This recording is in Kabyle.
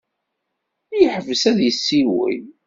Yeḥbes ad yessiwel.